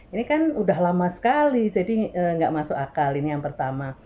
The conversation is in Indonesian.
ini kan udah lama sekali jadi nggak masuk akal ini yang pertama